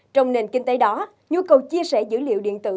trong nền kinh tế đó nhu cầu chia sẻ dữ liệu điện tử